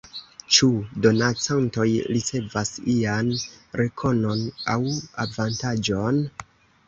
Ĉu donacantoj ricevas ian rekonon aŭ avantaĝon?